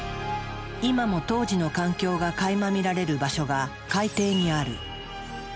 今も当時の環境がかいま見られる場所が海底にある。